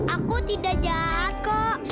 aku tidak jahat kok